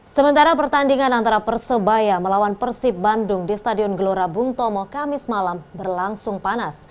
sementara pertandingan antara persebaya melawan persib bandung di stadion gelora bung tomo kamis malam berlangsung panas